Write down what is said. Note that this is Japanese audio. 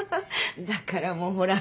だからもうほら。